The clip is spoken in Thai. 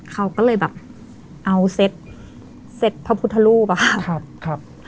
เขาก็เลยแบบเอาเซ็ตพระพุทธรูปะครับ